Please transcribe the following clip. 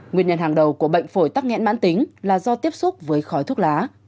nguyên nhân hàng đầu của bệnh phổi tắc nghẽn mãn tính là do tiếp xúc với khói thuốc lá